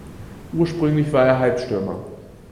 Ursprünglich war er Halbstürmer.